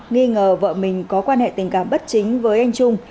nghi ngờ vợ mình có quan hệ tình cảm bất chính với anh trung